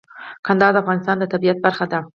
کندهار د افغانستان د طبیعت برخه ده.